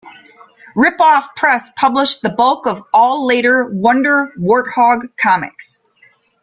Rip Off Press published the bulk of all later Wonder Wart-Hog comics.